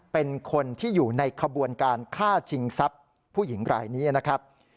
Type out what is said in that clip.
เป็นคนที่อยู่ในขบวนการฆ่าชิงทรัพย์ผู้หญิงรายนี้นะครับ